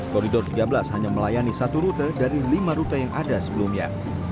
koridor tiga belas hanya melayani satu rute dari lima rute yang ada sebelumnya